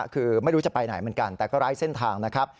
คือไม่รู้จะไปไหนเหมือนกันแต่ก็ไร้เส้นทางนะครับ